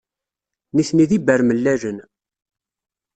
Nitni d ibermellalen.